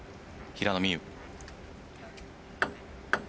平野美宇。